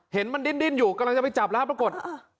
เห็นมันดิ้นอยู่กำลังจะไปจับแล้วปรากฏ